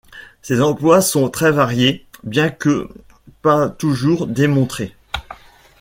Ses emplois sont très variés bien que pas toujours démontrés.